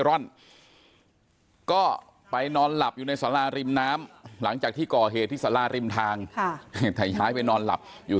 อะไรล่ะนะครับศัลกั้มเล่าก็ไปนอนหลับอยู่ในสลาริมน้ำหลังจากที่ก่อเหตุที่สลาริมทางก็ไปนอนหลับอยู่